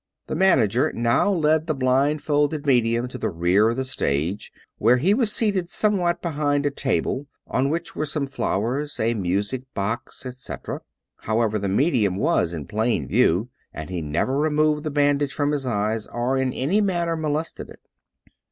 The manager now led the blindfolded medium to the rear of the stage, where he was seated somewhat behind a table, on which were some flowers, a music box, etc. However, the medium was in view plainly; and he never removed the bandage from his eyes or in any man ner molested it.